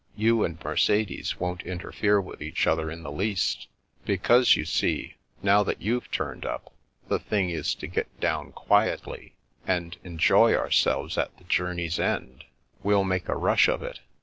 You and Mercedes won't interfere with each other in the least, be cause, you see, now that you've turned up, the thing is to get down quietly, and — ^and enjoy ourselves at the journey's end. We'll make a rush of it.